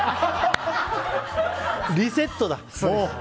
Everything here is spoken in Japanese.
リセットだ、もう。